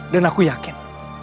dan aku yakin